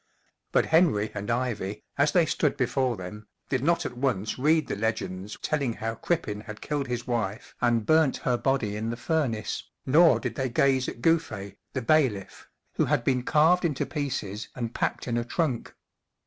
But Henry and Ivy, as they stood before them, did not at once read the legends telling how Crippen had killed his wife and burnt her body in the furnace, nor did they gaze at Gouflfe, the bailiff, who had been carved into pieces and packed in a trunk.